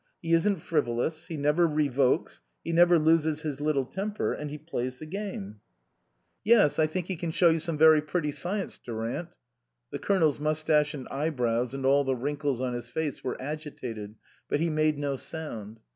He isn't frivolous, he never re vokes, he never loses his little temper, and he plays the game." 27 THE COSMOPOLITAN "Yes, I think he can show you some very pretty science, Durant." The Colonel's mous tache and eyebrows and all the wrinkles on his face were agitated, but he made no sound.